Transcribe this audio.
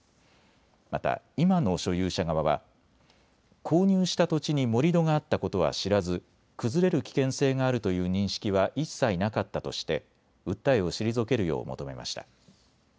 また今の所有者側は購入した土地に盛り土があったことは知らず崩れる危険性があるという認識は一切なかったとして訴えを退けるよう求めました。